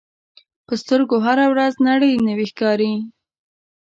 په سترګو هره ورځ نړۍ نوې ښکاري